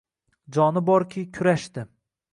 Joni borki, kurashdi.